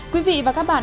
quý vị và các bạn